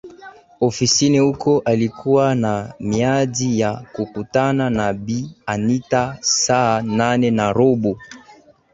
ofisini huko alikuwa na miadi ya kukutana na Bi Anita saa nane na robo